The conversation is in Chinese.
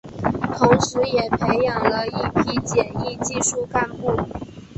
同时也培养了一批检疫技术干部。